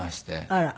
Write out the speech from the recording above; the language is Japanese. あら。